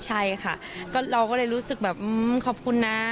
ใช่ค่ะเราก็เลยรู้สึกแบบขอบคุณนะ